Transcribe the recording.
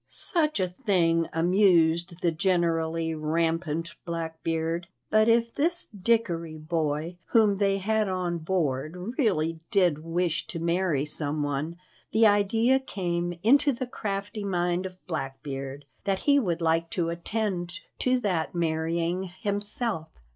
Such a thing amused the generally rampant Blackbeard, but if this Dickory boy whom they had on board really did wish to marry some one, the idea came into the crafty mind of Blackbeard that he would like to attend to that marrying himself.